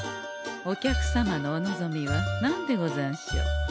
お客様のお望みは何でござんしょう？